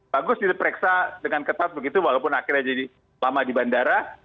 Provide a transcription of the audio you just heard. bagus diperiksa dengan ketat begitu walaupun akhirnya jadi lama di bandara